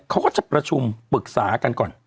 เขาก็จะประชุมปรึกษากันก่อน